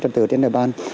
trật tựa trên đại ban